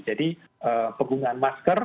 jadi pegungan masker